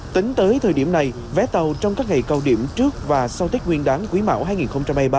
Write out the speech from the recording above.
tính tới thời điểm này vé tàu trong các ngày cao điểm trước và sau tết nguyên đáng quý mão hai nghìn hai mươi ba